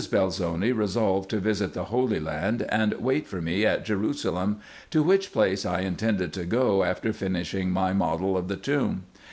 Belzoni resolved to visit the Holy Land, and wait for me at Jerusalem, to which place I intended to go after finishing my model of the tomb.